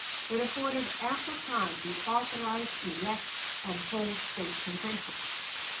It afforded ample time to authorize, elect, and hold State conventions.